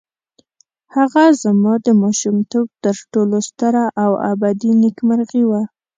هغه زما د ماشومتوب تر ټولو ستره او ابدي نېکمرغي وه.